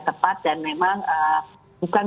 tepat dan memang bukan